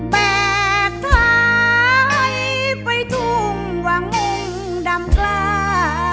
แบกท้ายไปทุ่งวังงดำกล้า